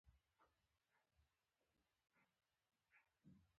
د کوروناویرس په مقابل کې معافیت.